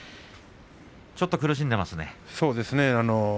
ちょっと苦しんでいますね。